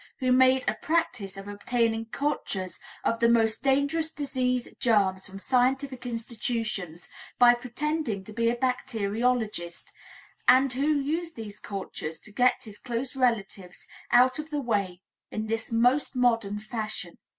who made a practice of obtaining cultures of the most dangerous disease germs from scientific institutions, by pretending to be a bacteriologist, and who used these cultures to get his close relatives out of the way in this most modern fashion.